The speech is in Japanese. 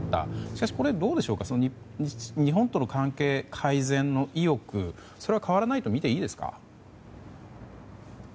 しかし、どうでしょうか日本との関係改善の意欲それは変わらないとみていいですか？